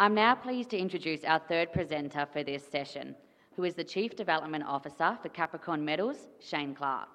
I'm now pleased to introduce our third presenter for this session, who is the Chief Development Officer for Capricorn Metals, Shane Clark.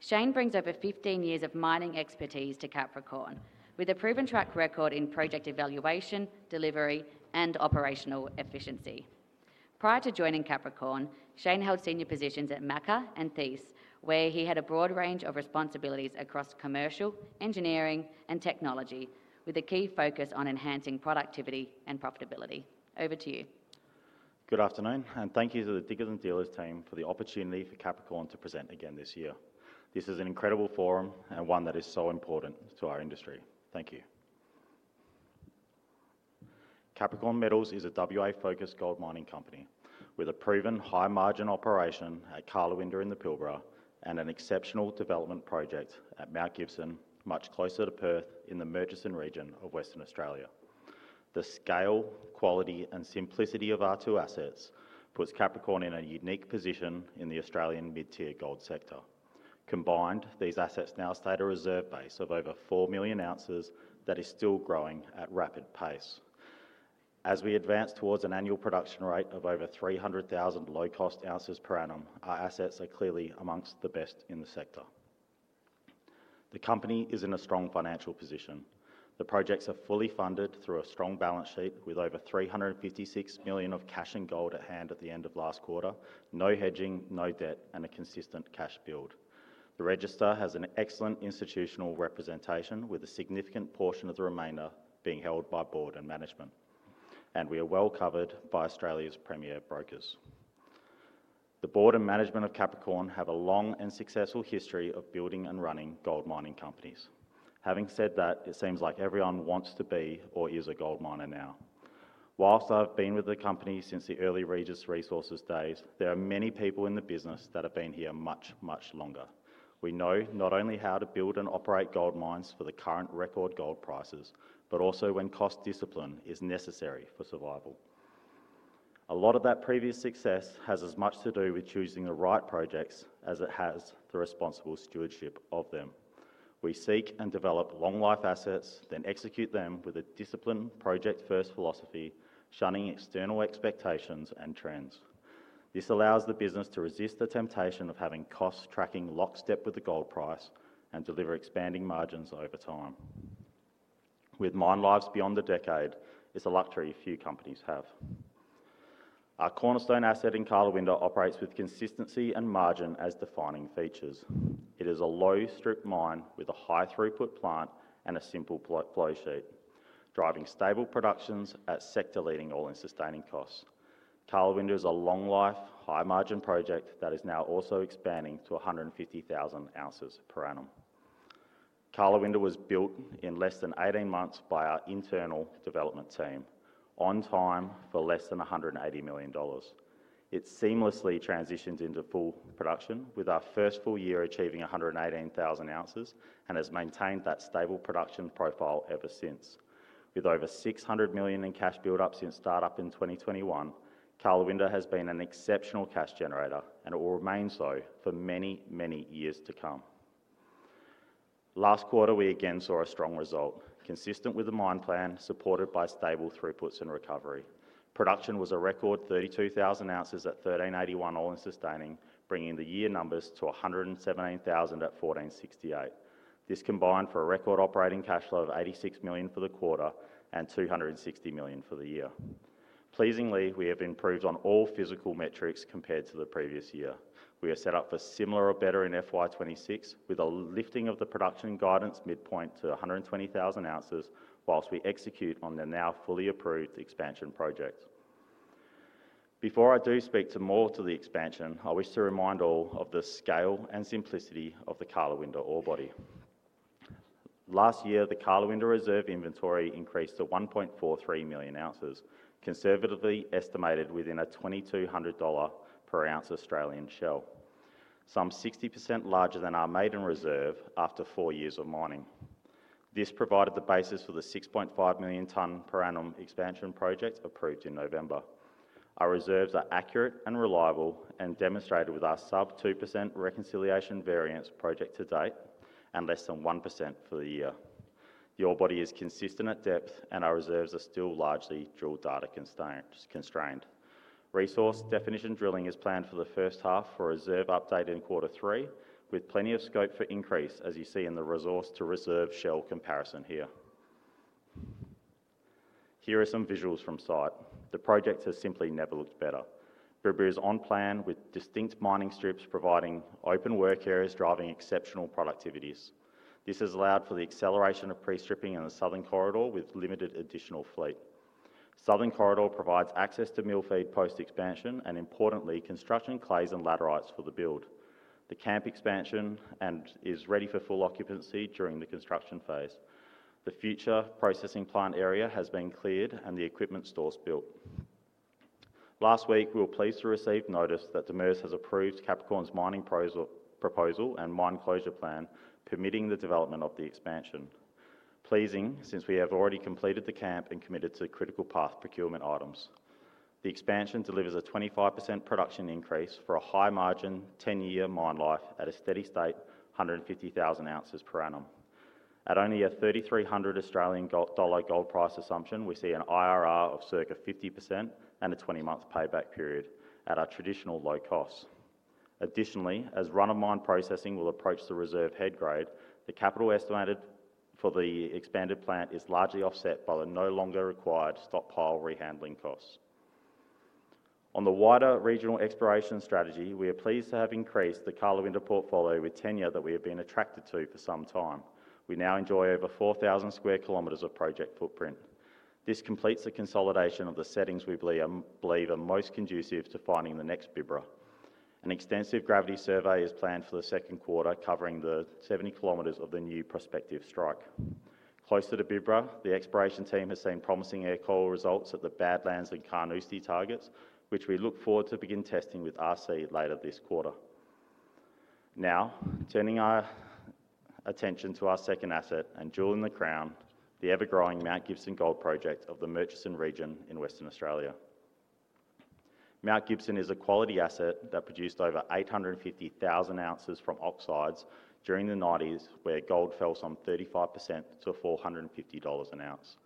Shane brings over 15 years of mining expertise to Capricorn, with a proven track record in project evaluation, delivery, and operational efficiency. Prior to joining Capricorn, Shane held senior positions at MACA and Thiess, where he had a broad range of responsibilities across commercial, engineering, and technology, with a key focus on enhancing productivity and profitability. Over to you. Good afternoon, and thank you to the Diggers and Dealers team for the opportunity for Capricorn to present again this year. This is an incredible forum and one that is so important to our industry. Thank you. Capricorn Metals is a WA-focused gold mining company with a proven high-margin operation at Karlawinda in the Pilbara, and an exceptional development project at Mount Gibson, much closer to Perth in the Murchison region of Western Australia. The scale, quality, and simplicity of our two assets put Capricorn in a unique position in the Australian mid-tier gold sector. Combined, these assets now state a reserve base of over 4 million ounces that is still growing at a rapid pace. As we advance towards an annual production rate of over 300,000 low-cost ounces per annum, our assets are clearly amongst the best in the sector. The company is in a strong financial position. The projects are fully funded through a strong balance sheet with over 356 million of cash and gold at hand at the end of last quarter, no hedging, no debt, and a consistent cash build. The register has an excellent institutional representation, with a significant portion of the remainder being held by board and management, and we are well covered by Australia's premier brokers. The board and management of Capricorn have a long and successful history of building and running gold mining companies. Having said that, it seems like everyone wants to be or is a gold miner now. Whilst I have been with the company since the early Regis Resources days, there are many people in the business that have been here much, much longer. We know not only how to build and operate gold mines for the current record gold prices, but also when cost discipline is necessary for survival. A lot of that previous success has as much to do with choosing the right projects as it has the responsible stewardship of them. We seek and develop long-life assets, then execute them with a disciplined project-first philosophy, shunning external expectations and trends. This allows the business to resist the temptation of having cost-tracking lockstep with the gold price and deliver expanding margins over time. With mine lives beyond a decade, it's a luxury few companies have. Our cornerstone asset in Karlawinda operates with consistency and margin as defining features. It is a low-strip mine with a high-throughput plant and a simple flow sheet, driving stable productions at sector-leading all-in sustaining costs. Karlawinda is a long-life, high-margin project that is now also expanding to 150,000 ounces per annum. Karlawinda was built in less than 18 months by our internal development team, on time for less than 180 million dollars. It seamlessly transitions into full production with our first full year achieving 118,000 ounces, and has maintained that stable production profile ever since. With over 600 million in cash buildup since startup in 2021, Karlawinda has been an exceptional cash generator and will remain so for many, many years to come. Last quarter, we again saw a strong result, consistent with the mine plan, supported by stable throughputs and recovery. Production was a record 32,000 ounces at 1,381 all-in sustaining, bringing the year numbers to 117,000 at 1,468. This combined for a record operating cash flow of 86 million for the quarter and 260 million for the year. Pleasingly, we have improved on all physical metrics compared to the previous year. We are set up for similar or better in FY 2026, with a lifting of the production guidance midpoint to 120,000 ounces, whilst we execute on the now fully approved expansion project. Before I do speak more to the expansion, I wish to remind all of the scale and simplicity of the Karlawinda ore body. Last year, the Karlawinda reserve inventory increased to 1.43 million ounces, conservatively estimated within a 2,200 dollar per ounce Australian shell, some 60% larger than our maiden reserve after four years of mining. This provided the basis for the 6.5 million ton per annum expansion project approved in November. Our reserves are accurate and reliable and demonstrated with our sub-2% reconciliation variance project to date and less than 1% for the year. The ore body is consistent at depth, and our reserves are still largely drill data constrained. Resource definition drilling is planned for the first half for a reserve update in Q3, with plenty of scope for increase, as you see in the resource-to-reserve shell comparison here. Here are some visuals from site. The project has simply never looked better. Bibra is on plan with distinct mining strips providing open work areas, driving exceptional productivities. This has allowed for the acceleration of pre-stripping in the southern corridor with limited additional fleet. The southern corridor provides access to mill feed post-expansion and, importantly, construction clays and laterites for the build. The camp expansion is ready for full occupancy during the construction phase. The future processing plant area has been cleared and the equipment stores built. Last week, we were pleased to receive notice that the DEMIRS has approved Capricorn Metals' mining proposal and mine closure plan, permitting the development of the expansion. Pleasing, since we have already completed the camp and committed to critical path procurement items. The expansion delivers a 25% production increase for a high-margin 10-year mine life at a steady-state 150,000 ounces per annum. At only a 3,300 Australian dollars gold price assumption, we see an IRR of circa 50% and a 20-month payback period at our traditional low costs. Additionally, as run-of-mine processing will approach the reserve head grade, the capital estimated for the expanded plant is largely offset by the no longer required stockpile rehandling costs. On the wider regional exploration strategy, we are pleased to have increased the Karlawinda portfolio with tenure that we have been attracted to for some time. We now enjoy over 4,000 sq km of project footprint. This completes the consolidation of the settings we believe are most conducive to finding the next Bibra. An extensive gravity survey is planned for the second quarter, covering the 70 km of the new prospective strike. Closer to Bibra, the exploration team has seen promising air-core results at the Badlands and Carnoustie targets, which we look forward to begin testing with RC later this quarter. Now, turning our attention to our second asset and jewel in the crown, the ever-growing Mount Gibson gold project of the Murchison region in Western Australia. Mount Gibson is a quality asset that produced over 850,000 ounces from oxides during the 1990s, where gold fell some 35% to 450 dollars an ounce.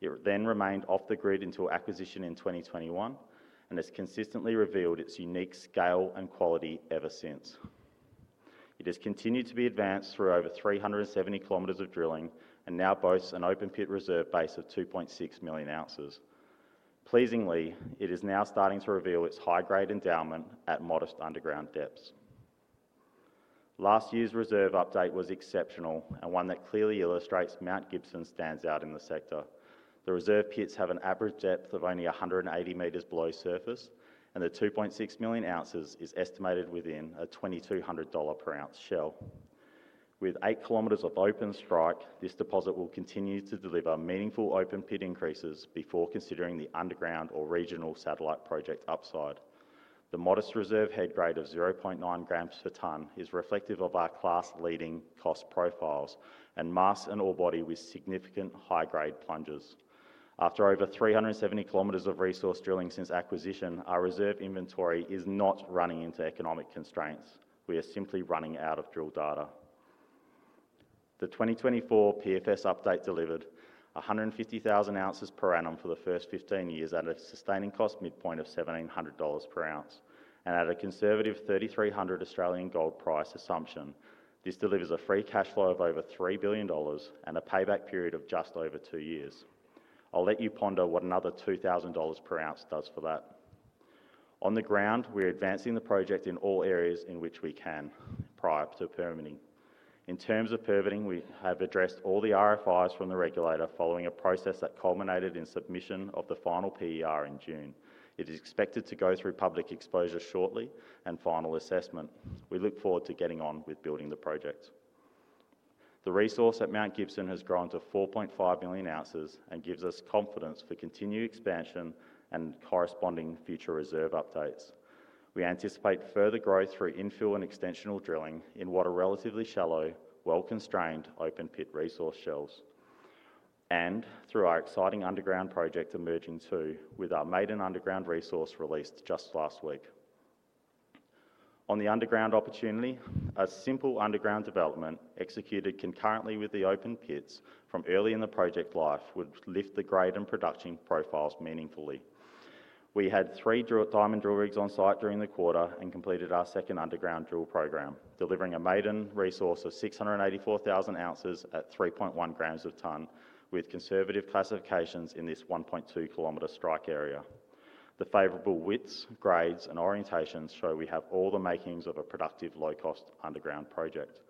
It then remained off the grid until acquisition in 2021, and has consistently revealed its unique scale and quality ever since. It has continued to be advanced through over 370 km of drilling and now boasts an open pit reserve base of 2.6 million ounces. Pleasingly, it is now starting to reveal its high-grade endowment at modest underground depths. Last year's reserve update was exceptional and one that clearly illustrates Mount Gibson's standout in the sector. The reserve pits have an average depth of only 180 m below surface, and the 2.6 million ounces is estimated within a 2,200 dollar per ounce shell. With 8 km of open strike, this deposit will continue to deliver meaningful open pit increases before considering the underground or regional satellite project's upside. The modest reserve head grade of 0.9 grams per ton is reflective of our class-leading cost profiles and masks an ore body with significant high-grade plunges. After over 370 km of resource drilling since acquisition, our reserve inventory is not running into economic constraints. We are simply running out of drill data. The 2024 pre-feasibility study update delivered 150,000 ounces per annum for the first 15 years at a sustaining cost midpoint of 1,700 dollars per ounce, and at a conservative 3,300 Australian gold price assumption, this delivers a free cash flow of over 3 billion dollars and a payback period of just over 2 years. I'll let you ponder what another 2,000 dollars per ounce does for that. On the ground, we're advancing the project in all areas in which we can prior to permitting. In terms of permitting, we have addressed all the RFIs from the regulator following a process that culminated in submission of the final PER in June. It is expected to go through public exposure shortly and final assessment. We look forward to getting on with building the project. The resource at Mount Gibson has grown to 4.5 million ounces and gives us confidence for continued expansion and corresponding future reserve updates. We anticipate further growth through infill and extensional drilling in what are relatively shallow, well-constrained open pit resource shells, and through our exciting underground project emerging too, with our maiden underground resource released just last week. On the underground opportunity, a simple underground development executed concurrently with the open pits from early in the project life would lift the grade and production profiles meaningfully. We had three diamond drill rigs on site during the quarter and completed our second underground drill program, delivering a maiden resource of 684,000 ounces at 3.1 grams per ton, with conservative classifications in this 1.2 kilometer strike area. The favorable widths, grades, and orientations show we have all the makings of a productive low-cost underground project.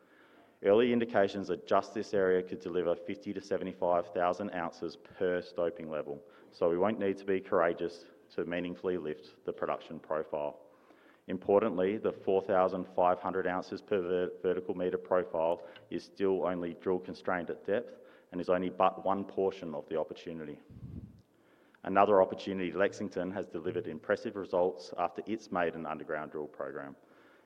Early indications are just this area could deliver 50,000-75,000 ounces per stoking level, so we won't need to be courageous to meaningfully lift the production profile. Importantly, the 4,500 ounces per vertical meter profile is still only drill-constrained at depth and is only but one portion of the opportunity. Another opportunity, Lexington, has delivered impressive results after its maiden underground drill program.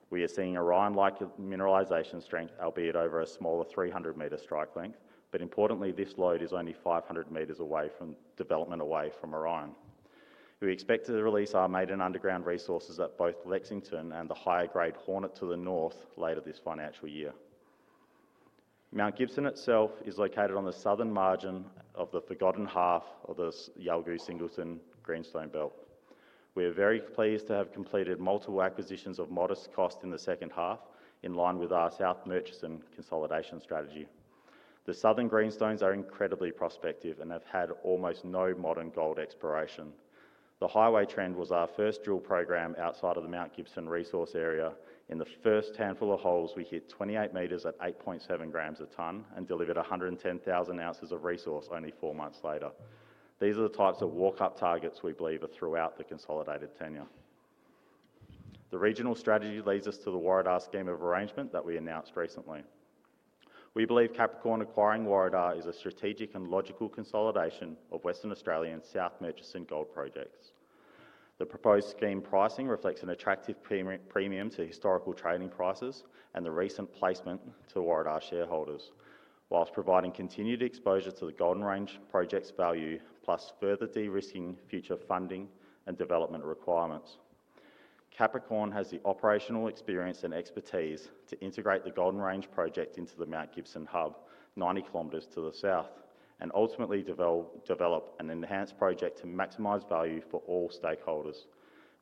We are seeing Orion-like mineralization strength, albeit over a smaller 300-meter strike length, but importantly, this lode is only 500 m away from development away from Orion. We expect to release our maiden underground resources at both Lexington and the higher grade Hornet to the north later this financial year. Mount Gibson itself is located on the southern margin of the forgotten half of the Yalgoo-Singleton greenstone belt. We are very pleased to have completed multiple acquisitions of modest cost in the second half, in line with our South Murchison consolidation strategy. The southern greenstones are incredibly prospective and have had almost no modern gold exploration. The Highway trend was our first drill program outside of the Mount Gibson resource area. In the first handful of holes, we hit 28 m at 8.7 grams per ton and delivered 110,000 ounces of resource only 4 months later. These are the types of walk-up targets we believe are throughout the consolidated tenure. The regional strategy leads us to the Warrawoona scheme of arrangement that we announced recently. We believe Capricorn acquiring Warrawoona is a strategic and logical consolidation of Western Australia and South Murchison gold projects. The proposed scheme pricing reflects an attractive premium to historical trading prices and the recent placement to Warrawoona shareholders, whilst providing continued exposure to the Golden Range project's value, plus further de-risking future funding and development requirements. Capricorn has the operational experience and expertise to integrate the Golden Range project into the Mount Gibson hub 90 km to the south and ultimately develop an enhanced project to maximize value for all stakeholders.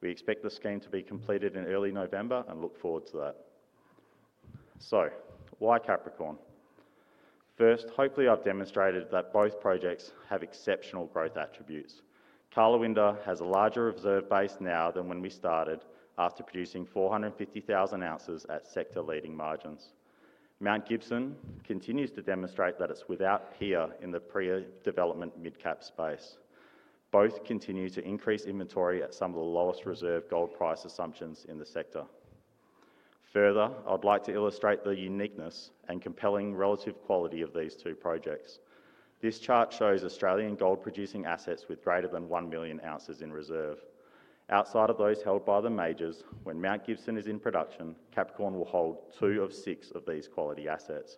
We expect the scheme to be completed in early November and look forward to that. Why Capricorn? First, hopefully I've demonstrated that both projects have exceptional growth attributes. Karlawinda has a larger reserve base now than when we started, after producing 450,000 ounces at sector-leading margins. Mount Gibson continues to demonstrate that it's without peer in the pre-development mid-cap space. Both continue to increase inventory at some of the lowest reserve gold price assumptions in the sector. Further, I'd like to illustrate the uniqueness and compelling relative quality of these two projects. This chart shows Australian gold producing assets with greater than 1 million ounces in reserve. Outside of those held by the majors, when Mount Gibson is in production, Capricorn Metals will hold two of six of these quality assets,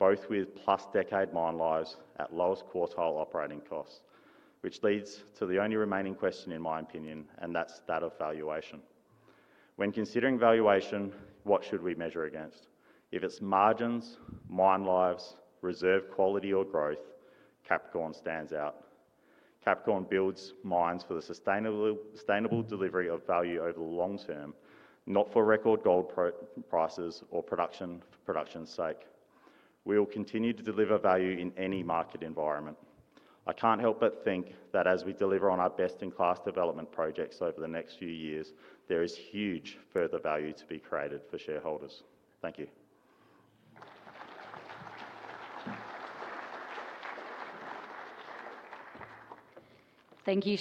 both with plus-decade mine lives at lowest quartile operating costs, which leads to the only remaining question, in my opinion, and that's that of valuation. When considering valuation, what should we measure against? If it's margins, mine lives, reserve quality, or growth, Capricorn stands out. Capricorn builds mines for the sustainable delivery of value over the long term, not for record gold prices or production's sake. We will continue to deliver value in any market environment. I can't help but think that as we deliver on our best-in-class development projects over the next few years, there is huge further value to be created for shareholders. Thank you. Thank you.